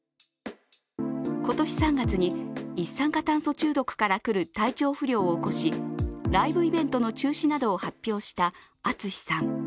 今年３月に一酸化炭素中毒からくる体調不良を起こしライブイベントの中止などを発表したＡＴＳＵＳＨＩさん。